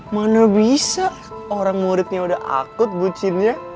mana bisa orang muridnya udah akut bucinnya